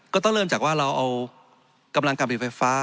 ก็ต้องเริ่มจากว่าเราเอากำลังการผลิตไฟฟ้า